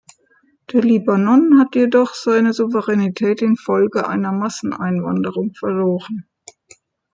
Der Libanon hat jedoch seine Souveränität in Folge einer Masseneinwanderung verloren.